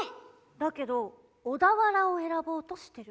だけど小田原を選ぼうとしてる。